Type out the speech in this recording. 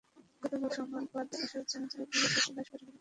গতকাল সোমবার বাদ আসর জানাজা শেষে লাশ পারিবারিক কবরস্থানে দাফন করা হয়।